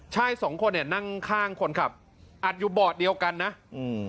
ใช่สองคนเนี่ยนั่งข้างคนขับอัดอยู่บอร์ดเดียวกันนะอืม